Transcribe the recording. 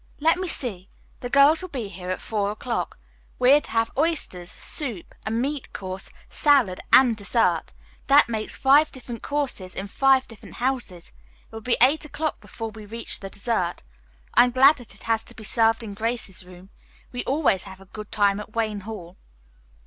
"Let me see. The girls will be here at four o'clock. We are to have oysters, soup, a meat course, salad and dessert. That makes five different courses in five different houses. It will be eight o'clock before we reach the dessert. I am glad that is to be served in Grace's room. We always have a good time at Wayne Hall."